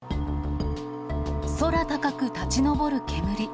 空高く立ち上る煙。